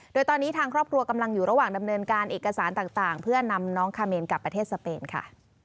โดยตอนนี้ทางครอบครัวกำลังอยู่ระหว่างดำเนินการเอกสารต่างเพื่อนำน้องคาเมนกลับประเทศสเปนค่ะ